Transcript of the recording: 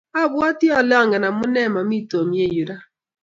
abwatii ale angen amunee momii Tom yerayuu.